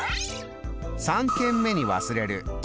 ３軒目に忘れる。